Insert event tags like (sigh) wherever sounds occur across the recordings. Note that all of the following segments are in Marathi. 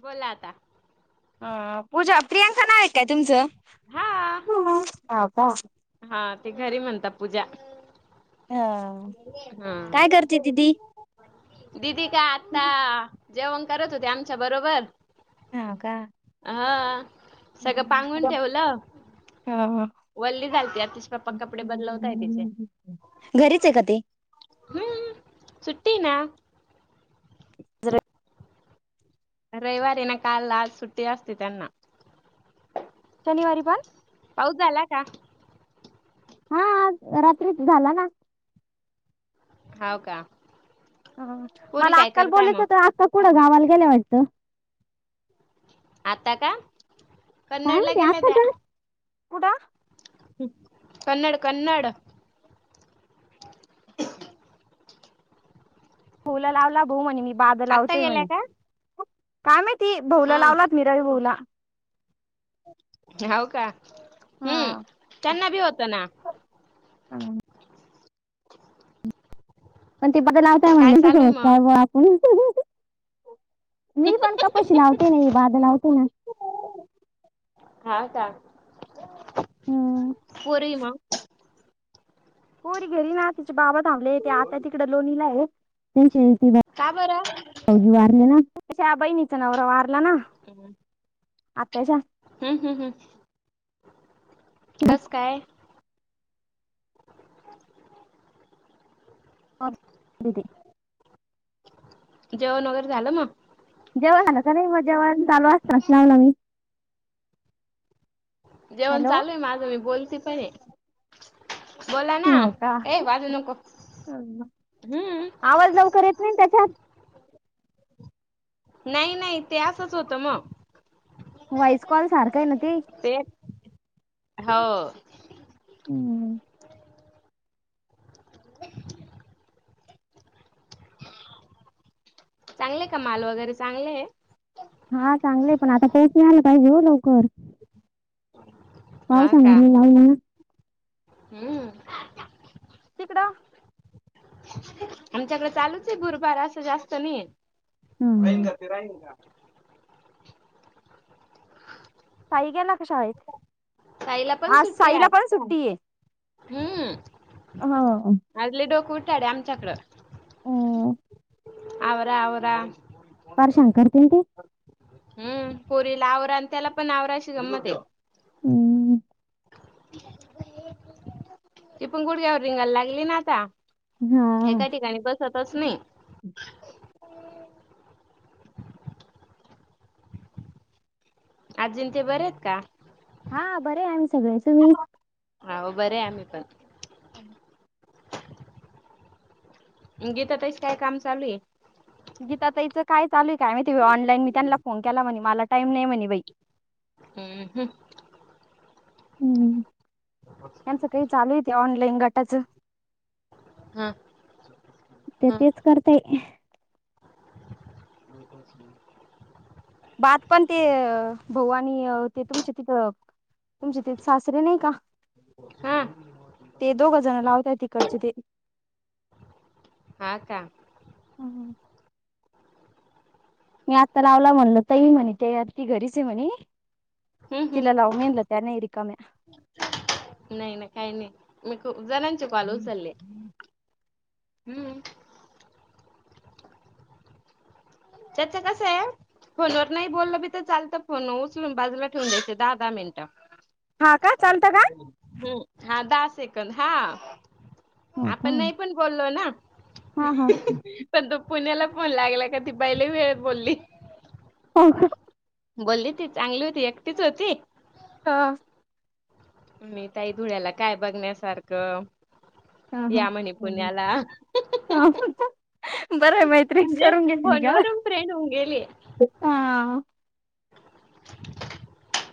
बोला आता ह पूजा प्रियांका नाव काय तुमचं हा का हा ते घरी म्हणतात पूजा हा हा काय करते दिदी? दिदी का आता जेवण करत होते आमच्या बरोबर ह का हा सगळं पांगून ठेवलं हा वल्ली झालती आतिश पप्पा कपडे बदलवत आहे तिचे घरीच आहे का ते हम्म सुट ना जर रविवारी ना कालला आज सुट्टी असते त्यांना शनिवारी पण पाऊस झालं का हा रात्री झाला ना होव का ह पोरी मला काय अक्काला करताय बोोलत मग होत आक्का कुठं गावाला गेल्या वाटतं आता का काय कन्नडला माहिती गेल्या अक्का त्या तर कुठं कन्नड कन्नड फुलं लावला भाऊ म्हणे मी बाद आता लावतोय गेल्या म्हणे का काय मा ती भाऊला लावलात मीरावी भाऊला हो का हम्म हा. त्यांना भी होत ना हा. काय चालू आहे मग? (unintelligible) मी पण (unintelligible) लावते नाही (unintelligible) लावते हम्म (unintelligible) कोणी घरी ना तिचे बाबा थांबले, आता तिकड लोणीला आहे, (unintelligible) का बरं? (unintelligible) तिचा नवरा वारला ना हम्म आताश तिथे कस काय? (inaudible) (inaudible) विधे जेवण वगैरे झालं मग जेवण आलं का नाही मग जेवण चालू असणारस लावला मी जेवण हॅलो चालू आहे माझं मी बोलते पण बोला ना ए बाजू नको ह हम्म आवाज लवकर येत नाही त्याच्यात नाही नाही ते असच होतं मग व्हॉइस कॉल सारखा आहे ना ते हो. हम्म हम्म. चांगले का माल वगैरे चांगले आहे हा चांगले पण आता पोहोचून आलं पाहिजे लवकर हा का? (unintelligible) हम्म. तिकड आमच्याकडे चालूच आहे गुरुबार असं जास्त नाहीये हम्म. (unintelligible) साई गेला का शाळेत? ताईला पण आज सुट्टी साईला पण सुट्टी आहे हो हम्म (unintelligible) डोक उठाडे आमच्याकडं अं, आवरा आवरा (unintelligible) हम्म पोरीला आवरा आणि त्याला पण आवराशी जमत हाय हम्म. ती पण गुडग्यावर रिंगायला लागली ना आता हा एका ठिकाणी बसतच नाही अजिंक्य बरे आहेत का? हा बरे आम्ही सगळे. तुम्ही? हाव बरे आम्ही पण हाव म गीता तस काय काम चालू आहे गीता ताईच काय चालू आहे काय माहिती बाई ऑनलाईन मी त्यांना फोन केला म्हणे मला टाइम नाही म्हणे बाई हम्म हम्म. हम्म त्यांचं काय चालूय ते ऑनलाईन गटाच हा ते हा तेच करते (unintelligible) बात पण ते भवानी ते तुमच्या तिथं तुमचे ते सासरे नाही का हा ते दोघ जण लावत आहेत तिकडचे ते हा का? हम्म. मी आता लावला म्हणल ताई म्हणे ते ती घरीच आहे म्हणे हम्म तिला हम्म लावू म्हणाले त्या नाही रिकाम्या नाही ना काही नाही मी खूप जणांचे कॉल उचलले. हम्म. त्याच कस आहे फोन वर नाही बोललं बी तर चालतं फोन उचलून बाजूला ठेवून द्यायचे दहा दहा मिनिटं हा का चालतं का हम्म हा दहा सेकंद हा हो का आपण नाही पण बोललो ना हा हा हहहा पण तो पुण्याला फोन लागला का ती बाई वेळेत बोलली ह बोलली ती चांगली होती एकटीच होती हा मी ताई धुळ्याला काय बघण्यासारखं या म्हणे पुण्याला ह बरंय मैत्रीच म्हणजे करून घेतली का? फोनवरून फ्रेंड होऊन गेली. (unintelligible) (inaudible)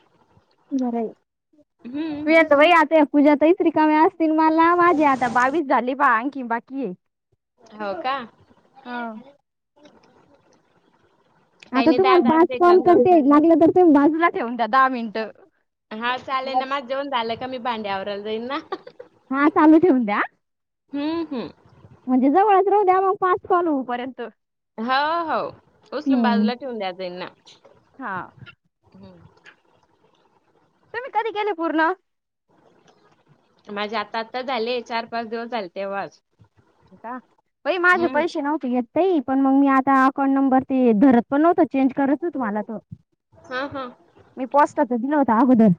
बरंय हम्म तूझ तर बाई आता पूजा ताई कम्या असतील मला वाटे आता बावीस झाले बा आणखीन बाकी आहे हो का हा. काही आता नाही तुम्हाला दादा बाज कॉल सेकंद करते लागलं तर तुम्ही बाजला ठेवून द्या दहा मिनिट हा शाले ना माझ जेवून झाल कामी भांडी आवरायला जाईना हा चालू ठेवून द्या हम्म हम्म म्हणजे जवळ द्या मग पाच कॉल होऊ पर्यंत हा हो उचलून बाजूला ठेवून द्यायांचा हा ना (unintelligible) तुम्ही कधी केेले पूर्ण माझे आता आता झाले चार पाच दिवस झाले तेव्हाच का बाई माझे हम्म पैसे नव्हती घेत ते पण मग मी आता अकाउंट नंबर ते धरत पण नव्हत चेंज करत होत मला त हा हा मी पॉस्टच दिल होता अगोदर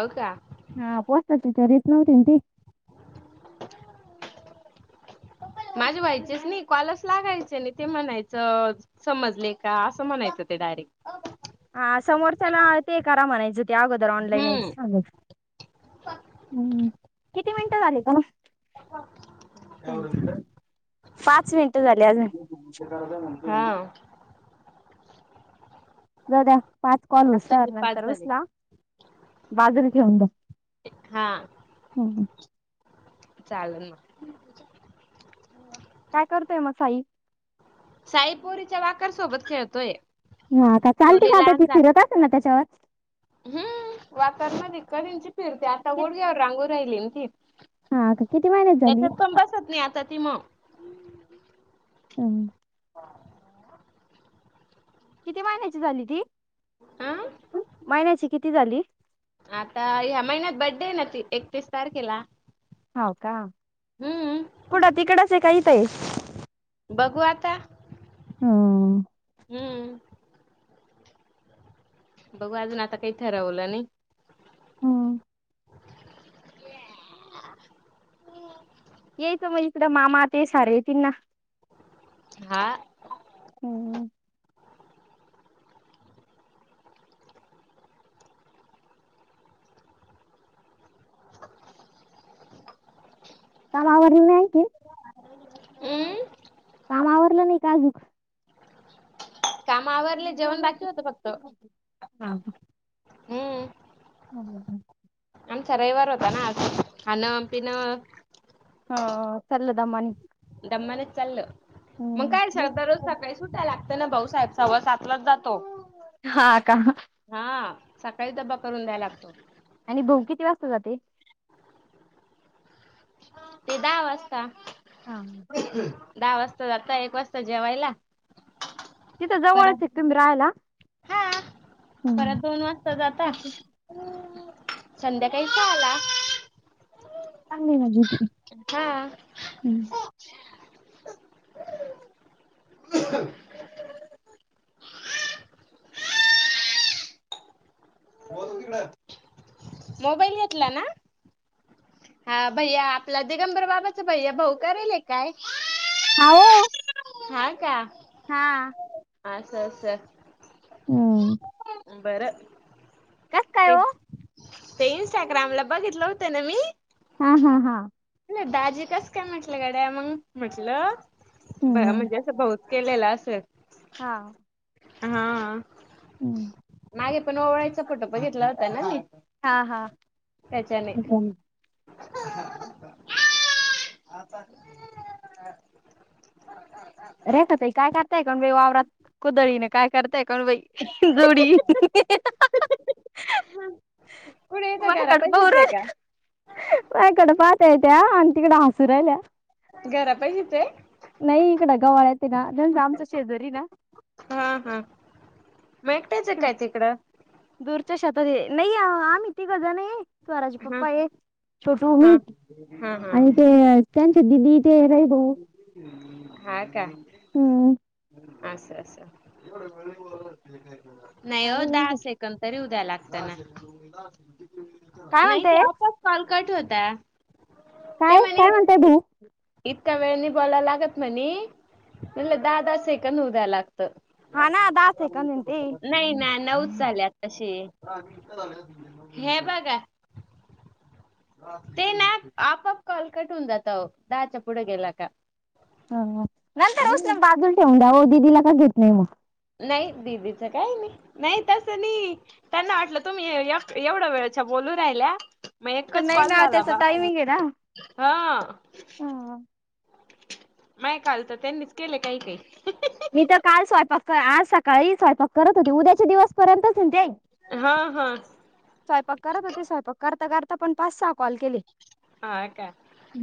हो का हा पोस्ताचीचरीत नव्हती ती माझे व्हायचेच नाही कॉलच लागायचे नाही ते म्हणायचं समजले का असं म्हणायचं ते डायरेक्ट हा समोरच्याला ते ए करा म्हणायच अगोदर ऑनलाईन हम्म यायचं हम् किती मिनिटं झाली का म यावरत (unintelligible) पाच मिनटं झाली अजून हा जाऊ द्या पाच कॉल आता हे होसत पाच नंतर झाले उचला बाजून ठेऊन जा हा चालेल मग काय करतोय मग साई साईपोरीच्या वाकर सोबत खेळतोय ह आता तो चालते का आता ती फिरत असे ना त्याच्यावर हम् वातावरण दिका त्यांची फिरते आता गोड घ्यावर रांगो राहिली ती हा का किती महिन्यात झाली त्याच्यात पण बसत नाही आता ती मग हम किती महिन्याची झाली ती हं. महिन्याची किती झाली आता ह्या महिन्यात बड्डे आहे ना त एकतीस तारखेला हम्म. कुठे तिकडेच आहे काय काय बघू आता हम्म हम्म बघू अजून आता काहीथ रावलं नाही हं (unintelligible) यायच मं इकड मामां ते सारे येतीनं ना. हा हम्म काम आवरलं नाय की हूं काम आवरलं नाय का आजूक काम आवरली जेवण बाकी होत फक्त हो हम्म ह आमचा रविवार होता ना असं खाणं पिणं हा लदमनी चाललं मग काय स दर रोज सकाळी सुटायला लाग ते ना भाऊ साहेब सव्वा सातलाच जातो हा का हा सकाळी ब्बा करून द्यायला लागतो आणि भाऊ किती वाजता जाते ते दहा वाजता दहा वाजता जाता एक वाजता जेवायला तिथं जवळच ये परत तुम्ही राहायला. हा परत दोन वाजता जाता चांगली संध्याकाळीस आला चांगली हाय हा ना (unintelligible) (inaudible) (inaudible) मोबाईल घेतला ना हा भैया आपला दिगंबर बाबाचा भैया भाऊ करेले काय हा ओ हा का असंं असं हम्म बरं हा हा ते ते इनस्टाग्रामला बघितलं होत न मी हा हा हा दाजी कस काय म्हटलं गड्या मग म्हटलं म्हणजे असं भाऊच केलेलां हा हम् मागे पण ओवळायचां फोटो बघितला होता ना एक हा हा (unintelligible) (inaudible) रेखा ताई काय करताय काऊन बाई वावरात कुदळीने काय करताय कण बाई जोडी कुठे येतं बाय घरा कड पाहू पाशीच आहे राहिल का? माया कड पाहत ते त्या आणि तिकड हसू राहिल्या. घरा पाशीचं ये नाई इकड गव्हाळ ते ना त्याचा आमचा शेजरी ना म एकट्यायचं काय तिकडं त शेतात ये नई आम्ही तिघ जण ये स्वराचे हा पप्पा ये. छोटू हू हा हा हा आणि ते त्यांच दिदी ते रही ग हा का हम्म असं असं नाही हो चालू दहा सेकड तरी उद्या लाग काय नाही ते म्हणते आपस कालकट होता काय काय म्हणताय तू त्या वेळेनी बोलायला लागत म्हणे म्हणलं दहा दहा सेकड उऊ द्या लागत हा ना दहा सेकंद आहे ते नाही नाही नऊच ले तशी हे बघा (inaudible) ते ना आपआप कॉल कटवून जात दहाच्या पुढे गेला का ह नंतर हम्म उचलून बाजूलां ठेवून द्या वो दिदीला का घेत नाही म नाही दिदीच काही नाही नाई तसं नाई त्यांना वाटलं तुम्हीएव एवढ्या वेळच्या बो बोलू राहिल्या मग एकच नाही कॉल ना झाला त्याचा बा टायमिंग आहे हा ना माये काल त त्यांनीच केले काही काही मी तर काल स्वयंपाक आज सकाळी स्वयंपाक करत होते उद्याच्या दिवस पर्यंतच हेन ते हा हा स्वयंपाक करत होते. स्वयंपाक करता करता पण पाच सहा कॉल केले. हा का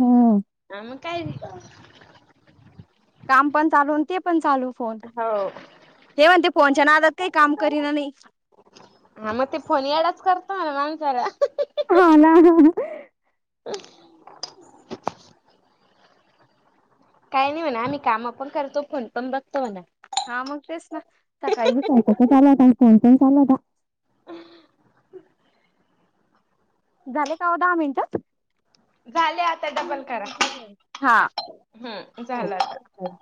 हम्म. आ मं काय काम पण चालू ते पण चालू फोन हो हे म्हणते पोहच्या ना आताात काही काम करीना नाही हा मग ते फोन याडाच करत स हा ना ना अ काही नाही म्हणा आम्ही काम पण करतो फोन पण बघतो म्हणा हा मग तेच ना सकाळी घुसायच तर चाल होता आणि फण पण चाल होता (inaudible) झाले का दहा मिनिट झाले आता डबल करा हा. हम् झालं हो. आता